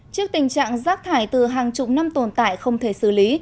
trước tình trạng rác thải từ hàng chục năm tồn tại không thể xử lý